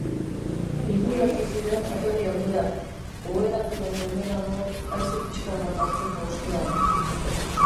Inguratu ziren atari aldera, oheratu baino lehenago haize pixka bat hartzeko ustean.